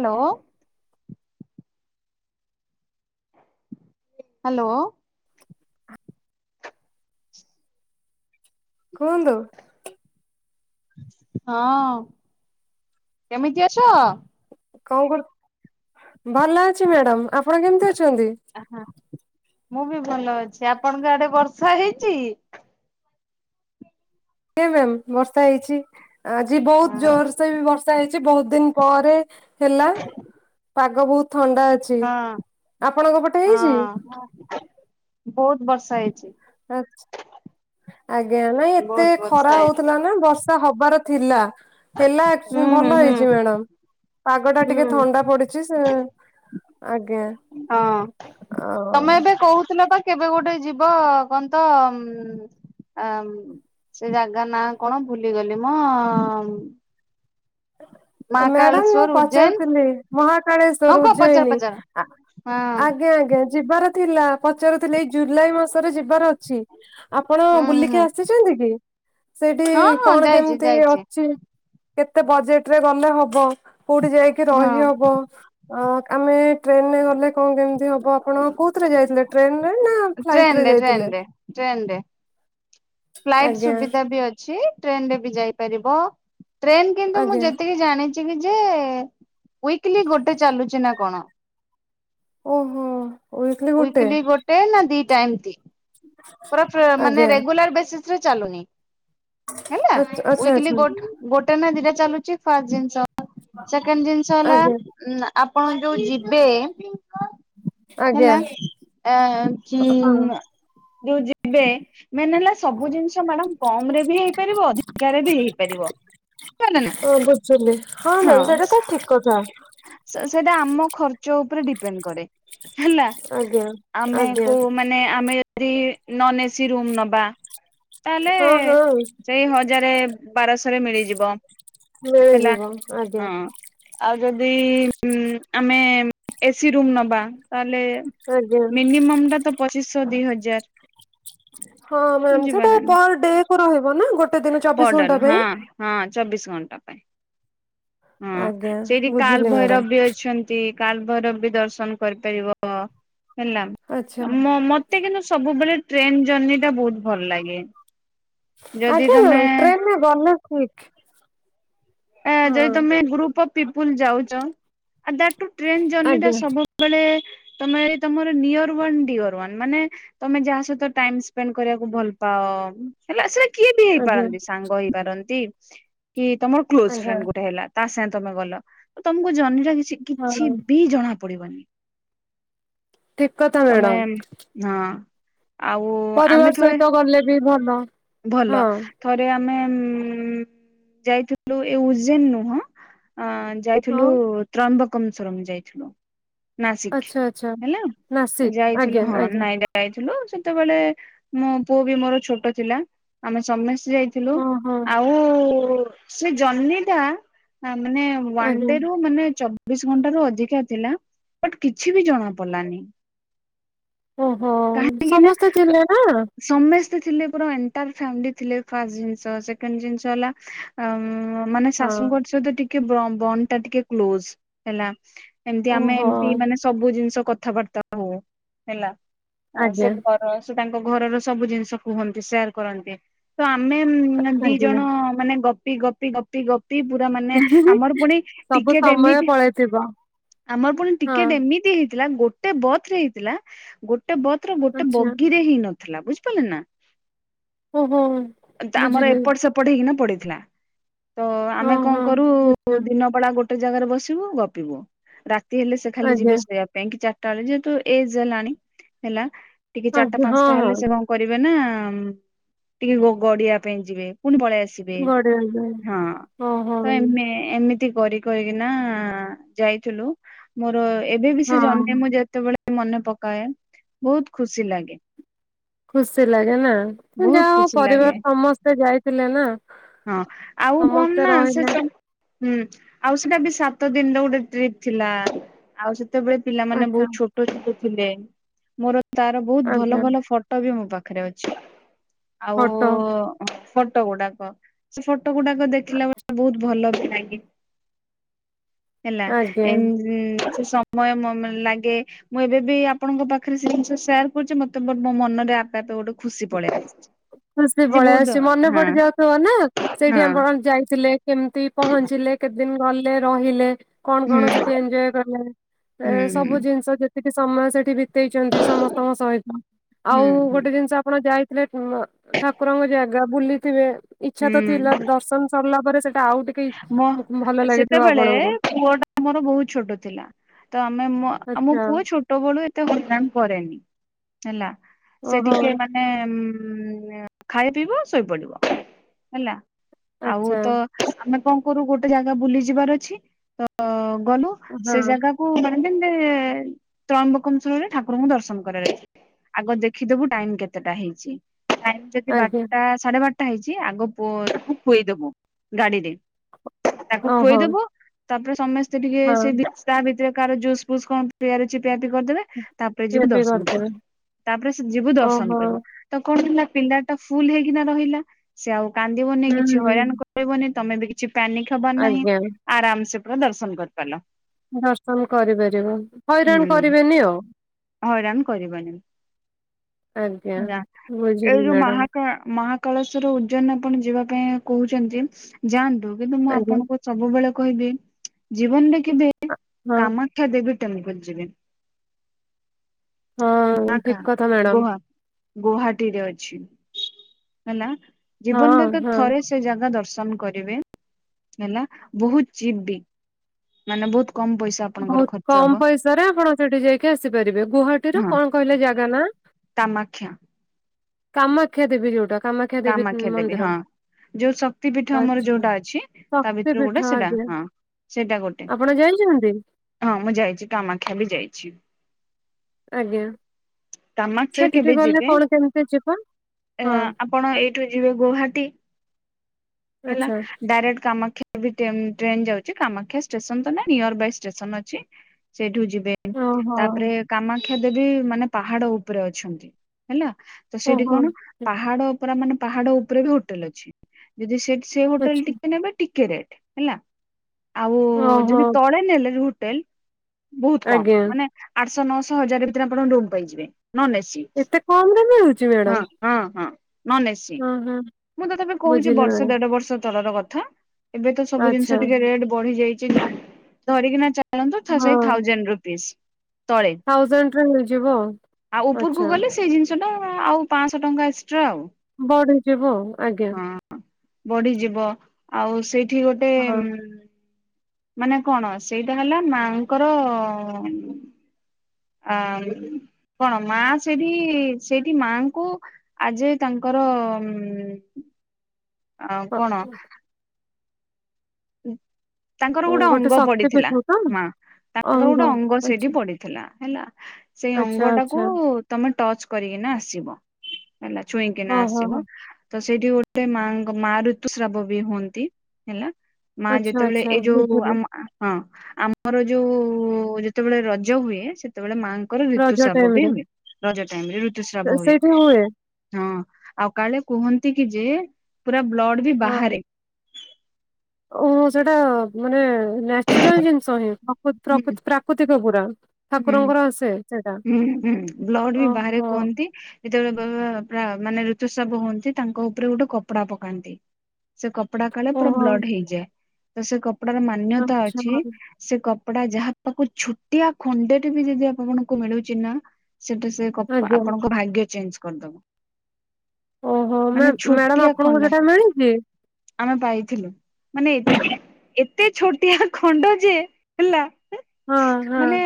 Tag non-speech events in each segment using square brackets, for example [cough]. Hello. Hello. କୁହନ୍ତୁ। ହଁ କେମିତି ଅଛ। କଣ କରୁ ଭଲ ଅଛି ମ୍ୟାଡାମ ଆପଣ କେମିତି ଅଛନ୍ତି। ଆ ହାଁ ମୁଁ ବି ଭଲ ଅଛି। ଆପଣଙ୍କ ଆଡେ ବର୍ଷା ହେଇଛି? ଆଜ୍ଞା ମ୍ୟାମ ବର୍ଷା ହେଇଛି ଆଜି ବହୁତ ହଁ ଜୋରସେ ବି ବର୍ଷ ର୍ଷା ହେଇଛି ବହୁତ ଦିନ ପରେ ହେଲା ପାଗ ବହୁତ। ଥଣ୍ଡା ଅଛି ଆପଣଙ୍କ ପଟେ ହେଇଛି। ହଁ ବହୁତ ବର୍ଷା ହେଇଛି। ଆଜ୍ଞା ନାଇଁ ଏତେ ବହୁତ ଖରା ବର୍ଷା ହେଇଛି। ହଉଥିଲା ନା ବର୍ଷା ହବାର ଥିଲା। ହେଲା ହୁଁ ହୁଁ ଭଲ ହୁଁ ହେଇଛି ମ୍ୟାଡାମ ପାଗ ଟା ଟିକେ ହୁଁ। ଥଣ୍ଡା ପଡି। ଛି ସେ ଆଜ୍ଞା। ହଁ ତମେ ଆଉ ଏବେ କହୁଥିଲ ବା କେବେ ଗୋଟେ ଯିବ କଣ ତ ଉ ଆ ସେ ଜାଗା ନାଁ କଣ ଭୁଲିଗଲି ମ ମ୍ୟାଡାମ ମୁଁ ମହାକାଳେଶ୍ଵର ଉଜ୍ଜୈନ ପଚାରୁଥିଲି ହଁ ମହାକାଳେଶ୍ଵର କୁହ ପଚାର ଉଜ୍ଜୟନୀ ପଚାର ହଁ ଆଜ୍ଞା ଆଜ୍ଞା ଯିବାର ଥିଲା ପଚାରୁଥିଲି ଏଇ ଜୁଲାଇ ମାସରେ ଯିବାର ଅଛି ଆପଣ ହୁଁ ହୁଁ ବୁଲିକି ଆସିଛ କି ସେଇଠି ହଁ ହଁ କଣ ଯାଇଛି କେମିତି ଯାଇଛି ଅଛି? କେତେ ବଜେଟରେ ଗଲେ ହବ କୋଉଠି ଯାଇକି ହଁ। ରହି ହବ? ଅ ଆମେ ଟ୍ରେନରେ ଗଲେ କଣ କେମିତି ହବ ଆପଣ କୋଉଥିରେ ଯାଇଥିଲେ ଟ୍ରେନ ରେ ନା ଫ୍ଲାଇଟ ରେ ଟ୍ରେନରେ ଯାଇଥିଲେ ଟ୍ରେନରେ ଟ୍ରେନରେ ଫ୍ଲାଇଟ ଆଜ୍ଞା ସୁବିଧା ବି ଅଛି। ଟ୍ରେନରେ ବି ଯାଇପାରିବ ଟ୍ରେନ କିନ୍ତୁ ମୁଁ ଆଜ୍ଞା ଯେତିକି ଜାଣିଛି କି ଯେ ୱିକଲି ଗୋଟେ ଚାଲୁଛି ନା କଣ? ଓହୋ। ୱିକଲି ଗୋଟେ ନା ଦିଟା ଏମତି। ହେଲା ଆଜ୍ଞା ରେଗୁଲାର ବେସିସରେ ଚାଲୁନି ହେଲା ଆଚ୍ଛା ଆଚ୍ଛା ୱିକ୍ଲି ଆଚ୍ଛା ଗୋ ଗୋଟେ ନା ଦିଟା ଚାଲୁଛି ଫାଷ୍ଟ ଜିନିଷ ସେକେଣ୍ଡ ଜିନିଷ ହେଲା ଆଜ୍ଞା ନାଁ ଆପଣ ଯୋଉ ଯିବେ? ହେଲା ଆଜ୍ଞା। ଆ କି ହଁ ଯୋଉ ଯିବେ ମେନ ହେଲା ସବୁ ଜିନିଷ ମ୍ୟାଡାମ କମରେ ବି ହେଇପାରିବ ଅଧିକାରେ ବି ହେଇପାରିବ ବୁଝପାରିଲେ ନା? ହଁ ମ୍ୟାମ ସେଇଟା ତ ଠିକ କଥା। ସାର୍ ସେଇଟା ଆମ ଖର୍ଚ୍ଚ ଉପରେ ଡିପେଣ୍ଡ କରେ। ହେଲା ଆଜ୍ଞା। ଆମେ ଆଜ୍ଞା କୋଉ ମାନେ ଆମେ ଯଦି ନନଏସି ରୁମ ନବା ତାହେଲେ ହଁ ହଁ ସେଇ ହଜାରେ ବାରଶରେ ମିଳିଯିବ। ହେଲା ମିଳିଯିବ ଆଜ୍ଞା। ହଁ। ଆଉ ଯଦି ଆମେ ଏସି ରୁମ ନବା ତାଲେ ଆଜ୍ଞା ମିନିମମଟା ତ ପଚିଶଶହ ଦିଇ ହଜାର। ହଁ ମ୍ୟାମ ସେଟା ବୁଝିପାରିଲ ନା। ପର ଡେକୁ ରହିବ ନା ଗୋଟେ ଦିନ ଚବିଶ ପଡନ ଘଣ୍ଟା ପାଇଁ। ହଁ ହଁ ଚବିଶ ଘଣ୍ଟା ପାଇଁ। ହଁ ଆଜ୍ଞା ସେଇଠି କାଲ ବୁଝିଲି ଭୈରବ ମ୍ୟାଡାମ୍ ବି ଅଛ ନ୍ତି କାଲଭୈରବ ବି ଦର୍ଶନ କରିପାରିବ ହେଲା ଆଚ୍ଛା। ମୋ ମୋ ତେ କିନ୍ତୁ ସବୁବେଳେ ଟ୍ରେନ ଜର୍ଣିି ଟା ବହୁତ ଭଲ ଲାଗେ। ଯଦି ଆଜ୍ଞା ତମେ ହଁ ଟ୍ରେନରେ ଗଲେ ଠିକ୍। ଆଁ ଯଦି ହଁ ତମେ ଗ୍ରୁପ ଅଫ ପିପୁଲ ଯାଉଛ ଆଜ ଦାଟ ଟ୍ରେନ୍ ଜର୍ନି ଆଜ୍ଞା ସବୁଠୁ ସେତେବେଳେ ତମେ ତମର ନିଅର ୱାନ୍ ଡିଅର ୱାନ ମାନେ ତମେ ଯାହା ସହିତ ଟାଇମ ସ୍ପେଣ୍ଡ କରିବାକୁ ଭଲ ପାଅ। ହେଲା ସେ କିଏ ବି ଆଜ୍ଞା ହେଇପାରନ୍ତି ସାଙ୍ଗ ହେଇପାରନ୍ତି କି ତମର କ୍ଲୋଜ ଆଜ୍ଞା। ଫ୍ରେଣ୍ଡ ଗୋଟେ ହେଲା। ତା ସାଙ୍ଗେ ତମେ ଗଲ ତମକୁ ଜର୍ଣିଟା କି ହଁ କିଛି ବି ଜଣା ପଡିବନି। ଠିକ୍ କଥା ତମେ ମ୍ୟାଡ଼ାମ। ହଁ ଆଉ ଆମେ ସହିତ ଥରେ ଗଲେ ବି ଭଲ। ଭଲ, ହଁ। ଥରେ ଆମେ ଯାଇଥିଲୁ ଏ ଉଜିନ ନୁହଁ। ଆଁ ଯାଇଥିଲୁ ହଁ ତ୍ରମ୍ବକମସ୍ୱରମ, ଯାଇଥିଲୁ। ନାସିକ, ଆଚ୍ଛା ଆଚ୍ଛା ହେଲା ନାସିକ୍ ଯାଇଥିଲୁ ଆଜ୍ଞା ହଁ ଆଜ୍ଞା ନାଇଁ, ନାଇଁ। ଯାଇଥିଲୁ ସେତେବେଳେ ମୋ ପୁଅ ବି ମୋର ଛୋଟ ଥିଲା ଆମେ ସମସ୍ତେ ଯାଇଥିଲୁ। ଯାଇଥିଲୁ ହଁ ହଁ ଆଉ ସେ ଜର୍ଣ୍ଣି ଟା ମାନେ, ଆଜ୍ଞା। ୱାନଡେ ରୁ ମାନେ ଚବିଶ ଘଣ୍ଟାରୁ ଅଧିକା ଥିଲା ବଟ କିଛି ବି ଜଣା ପଡିଲାନି। ଓହୋ କାହିଁକି ନା ସମସ୍ତେ ତ ଥିଲେ ନା ସମସ୍ତେ ଥିଲେ ପରା ଏଣ୍ଟ ତାର ଫାମିଲି ଥିଲେ ଫାଷ୍ଟ ଜିନିଷ ସେକେଣ୍ଡ ଜିନିଷ ହେଲା ମାନେ ହଁ ଶାଶୁଙ୍କ ସହିତ ଟିକେ ବ ବଣ୍ଡ ଟା ଟିକେ କ୍ଲୋଜ ହେଲା। ଏମତି ଆମେ ଓହୋ ଏମତି ମାନେ ସବୁ ଜିନିଷ କଥାବାର୍ତ୍ତା ହଉ ହେଲା। ଆଜ୍ଞା ସେ [unintelligible] ହଁ ସେ ତାଙ୍କ ଘରର ସବୁ ଜିନିଷ କୁହନ୍ତି ସେୟାର କରନ୍ତି। ତ ଆମେ ଦି ଆଜ୍ଞା ଜଣ ମାନେ ଗପି, ଗପି, ଗପି, ଗପ ଟି ପୁରା ମାନେ ଆମର ପୁଣି ସବୁ ଟିକେଟ ସମୟ ଏମିତି ପଳେଇଥିବ ଆମର ପୁଣି ହଁ ଟିକେଟ ଏମିତି ହେଇଥିଲା ଗୋ ଗୋଟେ ବଥ ରେ ହେଇଥିଲା ଗୋଟେ ବଥ ର ଗୋଟେ ଆଚ୍ଛା ବଗିରେ ହେଇ ନଥିଲା ବୁଝିପାରିଲେନା। ଓହୋ। ତ ଆମର ବୁଝିଲି ଏପଟ ସେପଟ ହେଇକିନା ପଡିଥିଲା। ତ ଆମେ ଓହୋ କଣ କରୁ ଆଚ୍ଛା ଦିନ ବେଳା ଗୋଟେ ଗୋଟେ ଜାଗାରେ ବସିବୁ ଗପିବୁ ରାତି ହେଲେ ସେ ଖାଲି ଆଜ୍ଞା ଯିବେ ଶୋଇବାକୁ। ବ୍ୟାଙ୍କ ଚାରିଟା ବେଳେ ଯେହେତୁ ଏଜ ହେଲାଣି ହେଲା ଟିକେ ଚାରିଟା ଆଜ୍ଞା ହଁ ପାଞ୍ଚଟା ହଁ ହେଲେ ସେ କଣ କରିବେ ନା ଟିକେ ଗ ଗଡିବା ପାଇଁ ଯିବେ ପୁଣି ପଳେଇ ଆସିବେ ବଢିଆ ଲାଗେ ହଁ ଓହୋ ତ ଏମେ ଏମିତି କରି କରିକିନା ଯାଇଥିଲୁ ମୋର ଏବେ ବି ସେ ହଁ ଜର୍ଣ୍ଣି ମୁଁ ଯେତେ ଯେତେବେଳେ ମନେ ପକାଏ ବହୁତ ଖୁସି ଲାଗେ। ଖୁସିଲାଗେ ନା। ବହୁତ ଯାହାଉ ଖୁସି ଲାଗେ ପରିବାର ସମସ୍ତେ ଯାଇଥିଲେ ନା ହଁ ଆଉ କଣ ସମସ୍ତେ ନା ସେ ରହିଲେ। ହୁଁ ଆଉ ସେଟା ବି ସାତ ଦିନର ଗୋଟେ ଟ୍ରିପ୍ ଥିଲା ଆଉ ସେ ଯେତେବେଳେ ପିଲାମାନେ ଆଚ୍ଛା ବହୁତ ଛୋଟ ଛୋଟ ଥିଲେ ମୋର ତାର ବହୁତ ଭଲ ଆଜ୍ଞା ଭଲ ଫଟୋ ଫଟୋ ବି ମୋ ପାଖରେ ଅଛି। ଆଉ ଫଟୋ ଫଟୋ ଗୁଡାକ ସେ ଫଟୋ ଗୁଡାକ ଦେଖିଲା ବେଳେ ବହୁତ ଭଲ ବି ଲାଗେ। ହେଲା ଆଜ୍ଞା ଏନ୍ ସେ ସମୟ ମମ ଲାଗେ। ମୁଁ ଏବେ ବିି ଆପଣଙ୍କ ପାଖରେ ସେ ଜିନିଷ ସେୟାର କରୁଛି ମତେ ମୋ ମନରେ ଆପେ ଆପେ ଗୋଟେ ଖୁସି ପଳେଇ ଆସୁଛି। ଚିକ ଖୁସି ପଳେଇ ଆସଛି ମନେ ପଡି ଯାଉଥିବ ନା ହଁ ସେଇଠି ଆପଣ ଜାଇଥିଲେ। କେମିତି ପହଞ୍ଚିଲେ କେତେ ଦିନ ଗଲେ ରହିଲେ କଣ ହୁଁ କଣ ସେଠି ଏନଜୟ କଲେ ଏ ହୁଁ ସବୁ ଜିନିଷ ଯେତିକି ସମୟ ସେଠି ବିତ ତେଇଚନ୍ତି ସମସ୍ତଙ୍କ ସହିତ। ଆଉ ହୁଁ ହୁଁ ଗୋଟେ ଜିନିଷ ଆପଣ ଯାଇଥିଲେ ମ ଠାକୁରଙ୍କ ଜାଗା ବୁଲିଥିବେ ଇଚ୍ଛା ତ ଥିଲା ହୁଁ ଦର୍ଶନ ସରିଲା ପରେ ସେଟା ଆଉ ଟିକେ ଇ- ମୋ ଭଲ ଲାଗିଥିବ ସେତେବେଳେ ଆପଣଙ୍କୁ ପୁଅଟା ଆମର ବହୁତ ଛୋଟ ଥିଲା ତ ଆମେ ମୋ ଆଉ ମୋ ଆଚ୍ଛା ପୁଅ ଛୋଟ ଛୋଟବେଳୁ ଏତେ ବଦନାମ କରେନି ହେଲା ସେ ଓହୋ ଟିକେ ମାନେ ମାନେ ଖାଇବ ପିଇବ ଶୋଇପଡିବ ହେଲା। ଆଚ୍ଛା ଆଉତ ଆମେ କଣ କରୁ ଗୋଟେ ଜାଗା ବୁଲି ଯିବାର ଅଛି ତ ଗଲୁ ହଁ ସେ ଜାଗାକୁ ମାନେ ତ୍ରୟମ୍ବକମସ୍ବରରେ ଠାକୁରଙ୍କୁ ଦର୍ଶନ କରିବାର ଅଛି। ଆଗ ଦେଖିଦବୁ ଟାଇମ କେତେଟା ହେଇଛି। ଟାଇମ୍ ଯଦି ଆଜ୍ଞା ବାରଟା ସାଢେ ବାରଟା ହେଇଛି ଆଗ ପଅକୁ ଖୁଆଇଦବୁ। ଗାଡିରେ ତାକୁ ଓହୋ ଖୁଆଇଦବୁ ତାପରେ ସମସ୍ତେ ଟିକେ ହଁ ସେଠି ଖାଇବୁ। ତା ଭିତରେ କାହାର ଜୁସ୍ ଫୁସ୍ କଣ ପିଇବାର ଅଛି ପିଆ ପିଇ କରିଦେବେ। ତାପରେ ପିଆ ଯିବୁ ପିଇ ଦର୍ଶନ କୁ କରିଦେବେ ତାପରେ ସେ ଯିବୁ ଦର୍ଶନ ଓହୋ କରିବ। ତ କଣ ହେଲା ପିଲା ଟା ଫୁଲ ହେଇକିନା ରହିଲା ସେ ଆଉ କାନ୍ଦିବନି ହୁଁ କିଛି ହୁଁ ହଇରାଣ କରି ବନି ତମେ ବି କିଛି ପାନିକ ହବାର ନାହିଁ। ଆଜ୍ଞା ଆରାମ ସେ ପୂରା ଦର୍ଶନ କରିପାରିଲ। ଦର୍ଶନ କରିପାରିବ ହଇରାଣ ହୁଁ। କରିବେନି ଆଉ। ହଇରାଣ କରିବନି ଆଜ୍ଞା ହେଲା। ବୁଝିଲି ଏଇ ଯୋଉ ମ୍ୟାଡାମ ମହାକା ମହା କଳସର ଉଜନ ଆପଣ ଯିବା ପାଇଁ କହୁଛନ୍ତି। ଯାଆନ୍ତୁ କିନ୍ତୁ ମୁଁ ଆଜ୍ଞା ଆପଣଙ୍କୁ ସବୁବେଳେ କହିବି ଜୀବନରେ କେବେ ଆ- ହଁ କାମ କ୍ଷ୍ୟ ଦେବି ଟେମ୍ପଲ୍ ଯିବେନି। ହଁ କାମାକ୍ଷା ଠିକ କଥା ମ୍ୟାଡାମ ଗୋଆ ଗୌହାଟୀରେ ଅଛି ହେଲା ହଁ ଜୀବନଟାକ ହଁ ଥରେ ସେ ଜାଗା ଦର୍ଶନ କରିବେ ହେଲା ବହୁତ୍ ଚିପ୍ ବି ମାନେ ବହୁତ୍ କମ ପଇସା ଆପଣଙ୍କର ବହୁତ୍ ଖର୍ଚ୍ଚ କମ ହବ ପଇସାରେ ଆପଣ ସେଠି ଯାଇକି ଆସିପାରିବେ ଗୁହାଟୀରୁ କଣ କହିଲେ ଜାଗାନା? ତାମାକ୍ଷିଆ। କାମାକ୍ଷା ଦେବୀ ଯୋଉଟା କାମାକ୍ଷା ଦେବୀ ମନ୍ଦିର। ଯୋଉ ଶକ୍ତି ପୀଠ ଆମର ଆଚ୍ଛା ଯୋଉଟା ଅଛି ଶକ୍ତି ତାଭିତରୁ ପୀଠ ଗୋଟେ ସେଇଟା ଆଜ୍ଞା। ହଁ। ସେଇଟା ଗୋଟେ। ଆପଣ ଯାଇଚନ୍ତି? ହଁ ମୁଁ ଯାଇଚି କାମାକ୍ଷାବି ଯାଇଚି। ଆଜ୍ଞା। କାମାକ୍ଷା ସେଇଠିକି କେବେ ଗଲେ ଯିବେ କଣ କେମିତି ଯିବା ହଁ ଆପଣ ଏଇଠୁ ଯିବେ ଗୌହାଟୀ ହେଲା ଆଚ୍ଛା ଡାଇରେକ୍ଟ କାମାକ୍ଷା ଏବେ ଟ୍ରେନ୍ ଯାଉଚି କାମାକ୍ଷା ଷ୍ଟେସନ ତନାଇଁ ନିୟର ବାଇ ଷ୍ଟେସନ୍ ଅଛି ସେଇଠୁ ଯିବେ। ଓହୋ ତାପରେ କାମାକ୍ଷା ଦେବୀ ମାନେ ପାହାଡ଼ ଉପରେ ଅଛନ୍ତି ହେଲା। ତ ସେଇଠି ଓହୋ କଣ ପାହାଡ଼ ପୁର ମାନେ ପାହାଡ଼ ଉପରେବି ହୋଟେଲ୍ ଅଛି। ଯଦି ସେ ସେହୋଟେଲ ଆଚ୍ଛା ଟିକେ ନେବେ ଟିକେ ରେଟ୍ ହେଲା ଆଉ ଓହୋ ଯଦି ତଳେ ନେଲେ ହୋଟେଲ୍ ବହୁତ୍ କମ୍ ଆଜ୍ଞା। ମାନେ ଆଠଶହ ନଅଶହ ହଜାର ଭିତରେ ଆପଣ ରୁମ୍ ପାଇଯିବେ ନନ୍ ଏସିି ଏତେ କମରେ ମିଳୁଚି ମ୍ୟାଡାମ। ହଁ ହଁ ନନ୍ ଏସିି ହଁ ହଁ ମୁତ ତତେଏବେ କହୁଚି ବୁଝିଲି ବର୍ଷ ମ୍ୟାଡାମ ଗୋଟେ ବର୍ଷ ତଳର କଥା ଏବେତ ସବୁ ଆଚ୍ଛା ଜିନିଷ ଟିକେ ରେଟ୍ ବଡ଼ିଯାଇଚି ଧରିକିନା ଚା [unintelligible] ସେଇ ହଁ ଥାଉଜେଣ୍ଡ ରୁପିସ୍ ତଳେ ଥାଉଜେଣ୍ଡରେ ହେଇଯିବ ଆଉ। ଆଉ ଉପରକୁ ଆଚ୍ଛା ଗଲେ ସେଇ ଜିନିଷଟା ଆଉ ପାଞ୍ଚଶହ ଟଙ୍କା ଏକ୍ସଟ୍ରା ଆଉ। ବଢିଯିବ ଆଜ୍ଞା। ହଁ। ବଢିଯିବ ଆଉ ସେଇଠି ଗୋଟେ ହଁ ଉ ମାନେ କଣ ସେଇଟା ହେଲା ମାଙ୍କର ଆ କଣ ମାସେଠି ସେଇଠି ମାଙ୍କୁ ଆଜି ତାଙ୍କର ଉ ଅ କଣ ତାଙ୍କର ଗୋଟେ ଅଙ୍ଗ ପଡିଥିଲା ଶକ୍ତିପୀଠ ତ ମା ତାଙ୍କର ଗୋଟେ ଅଙ୍ଗ ସେଇଠି ପଡ଼ି ଥିଲା ହେଲା ସେଇ ଆଚ୍ଛା ଅଙ୍ଗଟାକୁ ଆଚ୍ଛା ତମେ ଟଚ୍ କରିକିନା ଆସିବ। ହେଲା ଛୁଇଁକିନା ହଁ ହଁ ଆସିବ। ତ ସେଇଠି ଗୋଟେ ମାଙ୍କ ମାଁ ଋତୁସ୍ରାବବି ହୁଅନ୍ତି ହେଲା। ମାଁ ଆଚ୍ଛା ଯେତେବେଳେ ଆଚ୍ଛା ଏଇ ଯୋଉ ବୁଝିଲି ଆମ ଆ ହଁ ଆମର ଯୋଉ ଯେତେବେଳେ ରଜ ହୁଏ ସେତେବେଳେ ମାଁ ଙ୍କର ରଜ ଟାଇମ୍ ଋତୁସ୍ରାବବି ରେ ହୁଏ ରଜ ଟାଇମରେ ଋତୁସ୍ରାବ ହୁଏ। ହଁ ଆଉ କାଳେ କୁହନ୍ତିକିଯେ ପୁରା ବ୍ଲଡ଼ବି ହଁ ବାହାରେ। ଓହୋ ସେଟା ମାନେ ନ୍ୟାଚୁରାଲ ଜିନିଷ ହିଁ ହୁଁ ପ୍ରକୃ ପ୍ରାକୃତିକ ପୁରା ହୁଁ ଠାକୁରଙ୍କର ଆସେ ସେଟା। ହୁଁ ହୁଁ ବ୍ଲଡ଼ବି ବାହାରେ କୁହନ୍ତି। ଯେତେବେଳେ ବ ପ୍ରା ମାନେ ଋତୁସ୍ରାବ ହୁଅନ୍ତି ତାଙ୍କ ଉପରେ ଗୋଟେ କପଡ଼ା ପକାନ୍ତି। ସେ କପଡ଼ା କାଳେ ପୁରା ଓହୋ ବ୍ଲଡ଼ ହେଇଯାଏତ ସେକପଡ଼ାର ମାନ୍ୟତା ଆଚ୍ଛା ଅଛି। ସେ କପଡ଼ା ଯାହା ପାଖକୁ ଛୋଟିଆ ଖଣ୍ଡେଟେବି ଯଦି ଆପଣଙ୍କୁ ମିଳୁଚିନା ସେଟା ସେ କପ୍ ଆଜ୍ଞା ଆପଣଙ୍କ ଭାଗ୍ୟ ଚେଞ୍ଜ କରିଦବ। ଓହୋ ମାନେ ମ୍ୟାମ୍ ମ୍ୟାଡାମ ଛୋଟିଆ ଆପଣଙ୍କୁ ଖଣ୍ଡେ ସେଟା ମିଳିଛି? ଆମେ ପାଇଥିଲୁ। ମାନେ ଏତେ ଛୋଟିଆ ଖଣ୍ଡଯେ ହେଲା ହଁ ହଁ ମାନେ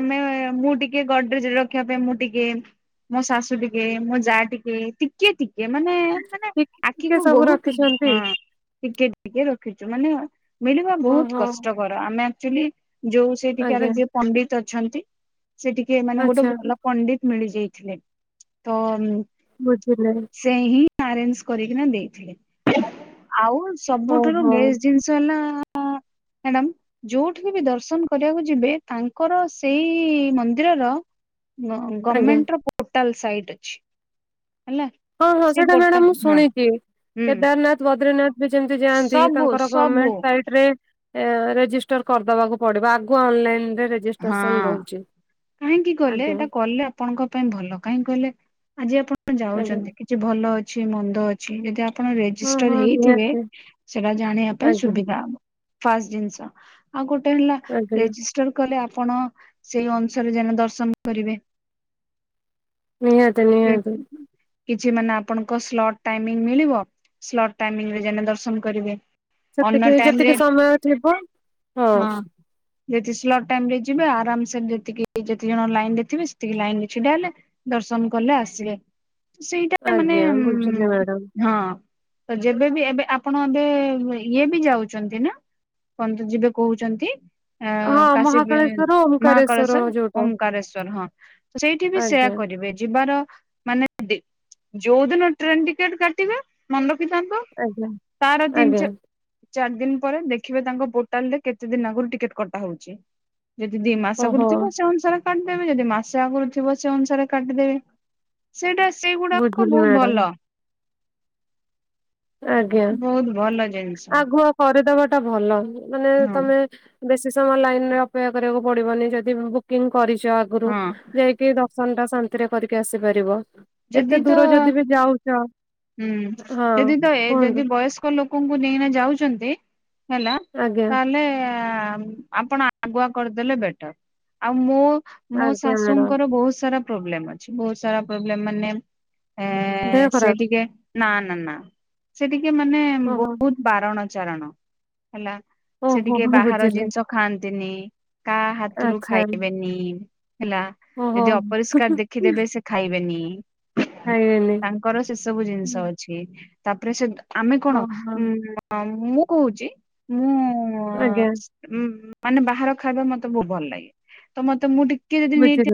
ଆମେ ମୁଁ ଟିକେ ଗଡ୍ରେଜରେ ରଖିବା ପାଇଁ ମୁଁ ଟିକେ ମୋ ଶାଶୁ ଟିକେ ମୋ ଯା ଟିକେ ଟିକେ ଟିକେ ଟେ ମାନେ ମାନେ ଟିକି ଟିକେ ଆଖିକୁ ସବୁ ବହୁତ୍ ହଁ ରଖିଛନ୍ତି ଟିକେ ଟି ଟିକେ ରଖିଚୁ ମାନେ ମିଳିବା ବହୁତ୍ ଓହୋ କଷ୍ଟକର ଆମେ ଆଚୁଆଲି ଯୋଉ ଆଜ୍ଞା ସେଠିକାର ପଣ୍ଡିତ୍ ଅଛନ୍ତି। ସେ ଟିକେ ମାନେ ଗୋଟେ ଆଚ୍ଛା ଭଲ ପଣ୍ଡିତ ମିଳିଯାଇଥିଲେ ତ ମୁଁ ବୁଝିଲେ। ସେ ହିଁ ଆରେଞ୍ଜ କରିକିନା ଦେଇଥିଲେ ଆଉ ସବୁଠାରୁ ଓହୋ [inaudible] ଜିନିଷ [unintelligible] ମ୍ୟାଡ଼ାମ ଯୋଉଠିକି ବି ଦର୍ଶନ କରିବାକୁ ଯିବେ ତାଙ୍କର ସେଇ ମନ୍ଦିର ଗ ଆଜ୍ଞା ଗମେଣ୍ଟ ର ପୋଟାଲ ସାଇଟ ଅଛି ହେଲା। ହଁ ହଁ ସେ ସେଇଟା ପୋର୍ଟା ମ୍ୟାଡାାମ ମୁଁ ହଁ ଶୁଣିଛି ହୁଁ କେଦାରନାଥ ବଦ୍ରିନାଥ ବି ଯେମିତି ଯାଆନ୍ତି ସବୁ ତାଙ୍କର ସବୁ ଗମେଣ୍ଟ ସାଇଟ୍ ରେ ଏ ରେଜିଷ୍ଟର କରିଦବାକୁ ପଡିବ ଆଗୁ ଅନଲାଇନ ରେ ରେ ହଁ କାହିଁକି ଗଲେ ଆଜ୍ଞା ଏଟା କଲେ ଆପଣଙ୍କ ପାଇଁ ଭଲ କାହିଁକି କହିଲେ ଆଜି ଆପଣ ଆଜ୍ଞା ଯାଉଛନ୍ତି କିଛି ଭଲ ଅଛି ମନ୍ଦ ଅଛି ଯଦି ଆ ପଣ ହଁ ହଁ ରେଜିଷ୍ଟର ହେଇଥିବେ ନିହାତି ସେଟା ଜାଣିବା ପାଇଁ ଆଜ୍ଞା ସୁବିଧା ହବ ଫାଷ୍ଟ ଜିନିଷ ଆଉ ଗୋଟେ ହେଲା ଆଜ୍ଞା ରେଜିଷ୍ଟର କଲେ ଆପଣ ସେଇ ଅଂଶରେ ଯେ ନ ଦର୍ଶନ କରିବେ। ନିହାତି ନିହାତି [inaudible] କିଛି ମାନେ ଆପଣଙ୍କ ସ୍ଲଟ ଟାଇମ ମିଳିବ ସ୍ଲଟାଇମିଂ ରେ [unintelligible] ଦର୍ଶନ କରିବେ। ଅନ୍ୟ ସେତିକି ଟାଇମ ରେ ଯେତିକି ସମୟ ଥିବ ହଁ। ଯେଦି ସ୍ଲଟ୍ ଟାଇମ ରେ ଯିବେ ଆରାମ ସେ ଯେତିକି ଯେତି ଜଣ ଲାଇନ ରେ ଥିବେ ସେତିକି ଲାଇନ ରେ ଛିଡା ହେଲେ ଦର୍ଶନ କଲେ ଆସିବେ ସେଇଟା ମାନେ ଆଜ୍ଞା ବୁଝିଲି ମ୍ୟାଡାମ। ହଁ। ତ ଯେବେବି ଏବେ ଆପଣ ଏବେ ଇଏ ବି ଯାଉଛନ୍ତି ନା? କନ୍ତି ଯିବେ କହୁଛନ୍ତି। ଅ [inaudible] କାଶୀ ବେ ଓମକାରେଶ୍ଵର ମହାକାଳେଶ୍ଵର ଯୋଉଟା ଓମ୍କାରେଶ୍ଵର ହଁ। ସେଇଠି ବି ସେୟା ଆଜ୍ଞା କରିବେ ଯିବାର ମାନେ ଦି ଯୋଉଦିନ ଟ୍ରେନ୍ ଟିକେଟ୍ କାଟିବା ମନେ ରଖିଥାନ୍ତୁ ଆଜ୍ଞା ତାର ତିନି ଆଜ୍ଞା ଚା ଚାରି ଦିନ ପରେ ଦେଖିବେ ତାଙ୍କ ପୋର୍ଟାଲ ରେ କେତେ ଦିନ ଆଗରୁ ଟିକେଟ କଟା ହଉଛି। ଯଦି ଦି ମାସ ଓହୋ ଆଗରୁ ଥିବ ସେ ଅନୁସାରେ କାଟିଦେବେ ଯଦି ମାସ ଆଗରୁ ଥିବ ସେ ଅନୁସାରେ କାଟିଦେବେ। ସେଇଟା ସେଇଗୁଡାକ ବୁଝିଲି ବହୁତ ମ୍ୟାଡାମ ଭଲ। ଆଜ୍ଞା ବହୁତ ଭଲ ଜିନିଷ। ଆଗୁଆ କରିଦବାଟା ଭଲ ମାନେ ହଁ ତମେ ବେଶୀ ସମୟ ଲାଇନ ରେ ଅପେକ୍ଷା କରିବାକୁ ପଡିବନି ଯଦି ବୁକିଂ କରିଛ ଆଗରୁ ହଁ ଯାଇକି ଦ ର୍ଶନ ଟା ଶାନ୍ତିରେ କରିକି ଆସିପାରିବ। ଏତେ ଯଦି ତ ଦୂର ଯଦି ବି ଯାଉଛ ହୁଁ ହଁ ଯଦି ତ ଏଜ୍ କୁହନ୍ତୁ ଯଦି ବୟସ କ ଲୋକଙ୍କୁ ନେଇନା ଯାଉଛନ୍ତି ହେଲା ଆଜ୍ଞା ତାହେଲେ ଆପଣ ଆଗୁଆ କରିଦେଲେ ବେଟର ଆଉ ମୋ ମୋ ଆଜ୍ଞା ମ୍ୟାଡାମ ଶାଶୁଙ୍କର ବହୁତ ସାରା ପ୍ରୋବ୍ଲେମ୍ ଅଛି ବହୁତ ସାରା ପ୍ରୋବ୍ଲେମ୍ ମାନେ ଏ ଦେହ ସେ ଖରାପ ଟିକେ ନା ନା ନା ସେ ଟିକେ ମାନେ ଓହୋ। ବହୁତ ବାରଣ ଚାରଣ ହେଲା। ସେ ଓହୋ ଟିକେ ହୋ ବାହାର ବୁଝିଲି ଜିନିଷ ଖାଆନ୍ତିନି କାହା ହାତରୁ ଆଚ୍ଛା ଖାଇବେନି। ହେଲା ଓହୋ ଯଦି ଅପରିଷ୍କାର ଦେଖିଦେବେ ସେ ଖାଇବେନି। ଖାଇବେନି ତାଙ୍କର ସେ ସବୁ ଜିନିଷ ଅଛି ତାପରେ ସେ ଆମେ କଣ ଓହୋ ଉ ଅ ମୁଁ ଅ କହୁଛି ମୁଁ ଆଜ୍ଞା ଉଁ ମାନେ ବାହାର ଖାଇବା ମତେ ବହୁତ୍ ଭଲ୍ ଲାଗେ ତ ମତେ ମୁଁ ଟିକେ ଯଦି ବୁଝିଲେ ନିଟ୍